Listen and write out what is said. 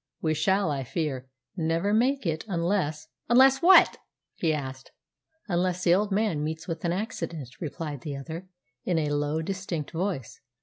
"We shall, I fear, never make it, unless " "Unless what?" he asked. "Unless the old man meets with an accident," replied the other, in a low, distinct voice.